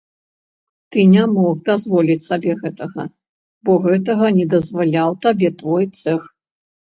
Ты не мог дазволіць сабе гэтага, бо гэтага не дазваляў табе твой цэх.